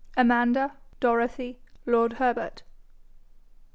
AMANDA DOROTHY LORD HERBERT.